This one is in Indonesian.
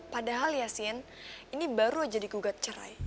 padahal ya sien ini baru aja digugat cerai